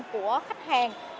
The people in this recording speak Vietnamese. của khách hàng